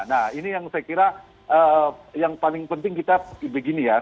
nah ini yang saya kira yang paling penting kita begini ya